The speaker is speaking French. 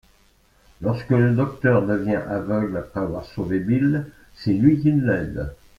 Lorsque le Docteur devient aveugle après avoir sauvé Bill, c'est lui qui l'aide.